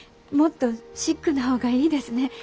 もっとシックな方がいいですね。